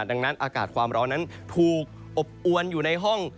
ดังนั้นอากาศความร้อนนั้นถูกอบอวนอยู่ในห้อง